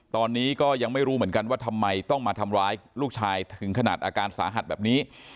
ตอนนี้ก็ยังไม่รู้เหมือนกันว่าทำไมต้องมาทำร้ายลูกชายถึงขนาดอาการสาหัสแบบนี้